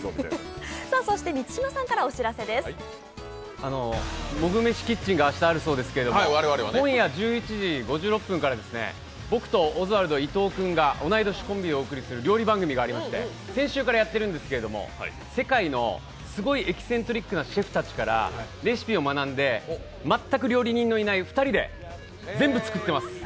そして、満島さんからお知らせです「モグ飯キッチン」が明日あるそうですけど、今夜１１時５６分から僕とオズワルド・伊藤君が同い年コンビでお送りする料理番組がありまして、先週からやってるんですけれども、世界のすごいエキセントリックなシェフたちからレシピを学んで全く料理人のいない２人で全部作ってます。